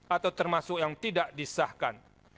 atau termasuk yang tidak disahkan